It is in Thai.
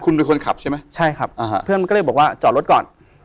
คุณเป็นคนขับใช่ไหมใช่ครับอ่าฮะเพื่อนมันก็เลยบอกว่าจอดรถก่อน